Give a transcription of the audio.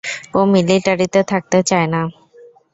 ও মিলিটারিতে থাকতে চায় না।